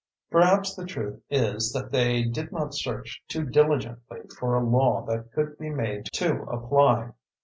Perhaps the truth is that they did not search too diligently for a law that could be made to apply.